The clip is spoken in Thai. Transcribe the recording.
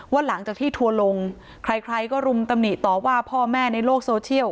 หลังจากที่ทัวร์ลงใครใครก็รุมตำหนิต่อว่าพ่อแม่ในโลกโซเชียล